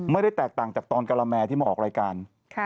ไม่ได้แตกต่างจากตอนกะละแมที่มาออกรายการ